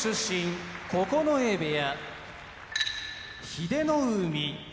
九重部屋英乃海